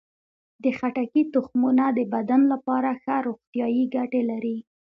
د خټکي تخمونه د بدن لپاره ښه روغتیايي ګټې لري.